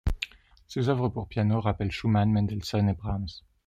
Ses œuvres pour piano rappellent Schumann, Mendelssohn et Brahms.